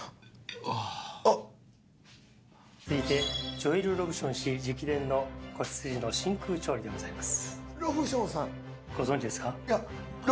ジョエル・ロブション氏直伝の仔羊の真空調理でございます。